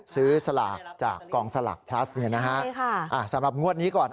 ซื้อสลักจากกองสลักพลัสเนี้ยนะฮะใช่ค่ะอ่าสำหรับงวดนี้ก่อน